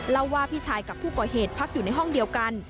เล่าว่าพี่ชายกับผู้ก่อเหตุพักอยู่ในห้องเดียวกัน